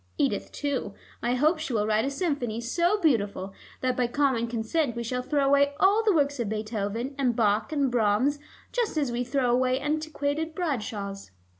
Edith too: I hope she will write a symphony so beautiful that by common consent we shall throw away all the works of Beethoven and Bach and Brahms just as we throw away antiquated Bradshaws."